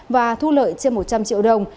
và thu lợi trên một trăm linh triệu đồng